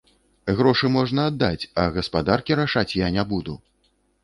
Грошы можна аддаць, а гаспадаркі рашаць я не буду.